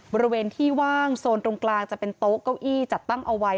บริเวณที่ว่างโซนตรงกลางจะเป็นโต๊ะเก้าอี้จัดตั้งเอาไว้